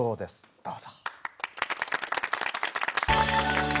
どうぞ。